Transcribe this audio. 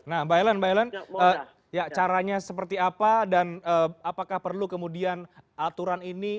nah mbak elan caranya seperti apa dan apakah perlu kemudian aturan ini